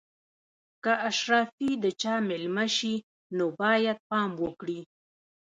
که اشرافي د چا مېلمه شي نو باید پام وکړي.